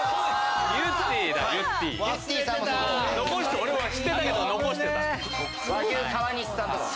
俺は知ってたけど残してた。